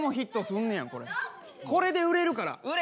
これで売れるから。